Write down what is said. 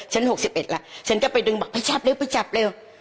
ฉันหกสิบเอ็ดแล้วฉันก็ไปดึงบอกไปจับเร็วไปจับเร็ว